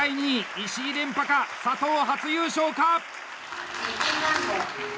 石井連覇か、佐藤初優勝か！？